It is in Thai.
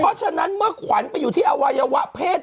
เพราะฉะนั้นเมื่อขวัญไปอยู่ที่อวัยวะเพศ